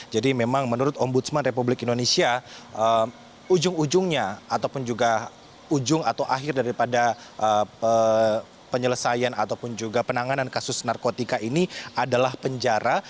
jadi memang menurut ombudsman republik indonesia ujung ujungnya ataupun juga ujung atau akhir daripada penyelesaian ataupun juga penanganan kasus narkotika ini adalah penjara